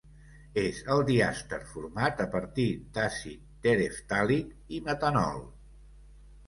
És el diàster format a partir d'àcid tereftàlic i metanol.